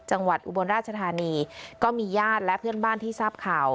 อุบลราชธานีก็มีญาติและเพื่อนบ้านที่ทราบข่าว